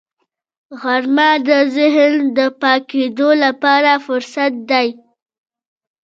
غرمه د ذهن د پاکېدو لپاره فرصت دی